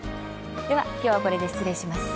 では、きょうはこれで失礼します。